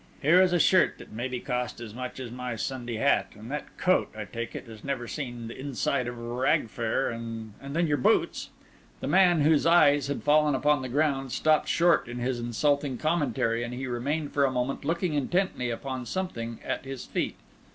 Here is a shirt that maybe cost as much as my Sunday hat; and that coat, I take it, has never seen the inside of Rag fair, and then your boots—" The man, whose eyes had fallen upon the ground, stopped short in his insulting commentary, and remained for a moment looking intently upon something at his feet.